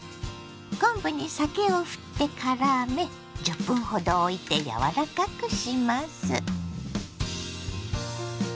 昆布に酒をふってからめ１０分ほどおいて柔らかくします。